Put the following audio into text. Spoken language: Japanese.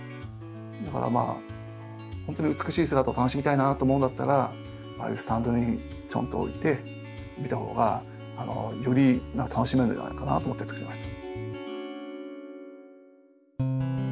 だから本当に美しい姿を楽しみたいなと思うんだったらああいうスタンドにちょんと置いて見たほうがより楽しめるんじゃないかなと思ってつくりました。